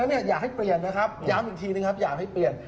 อันนั้นอยากให้เปลี่ยนนะครับย้ำอีกทีหนึ่งอยากให้เปลี่ยน